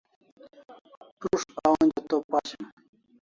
Prus't a onja to pashim